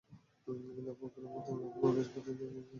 কিন্তু আবু বকরের মতো বহু মানুষ প্রতিদিন গুম হচ্ছে, খুন হচ্ছে।